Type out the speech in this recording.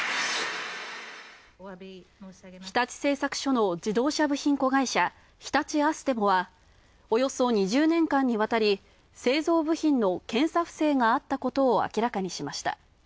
日立製作所の自動車部品子会社、日立アステモはおよそ２０年間にわたり、製造部品の検査不正があったことを明らかにしました。